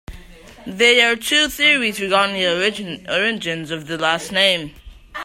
There are two theories regarding the origins of this last name.